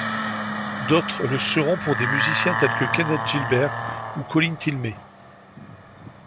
D'autres le seront pour des musiciens tels que Kenneth Gilbert ou Colin Tilney.